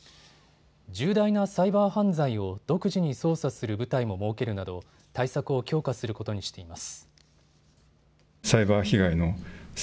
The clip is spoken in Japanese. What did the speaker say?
重大なサイバー犯罪を独自に捜査する部隊も設けるなど対策を強化することにしています。